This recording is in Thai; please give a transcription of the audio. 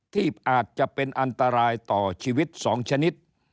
ที่อาจจะเป็นอันตรายต่อชีวิต๒ชนิด